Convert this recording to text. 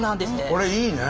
これいいね。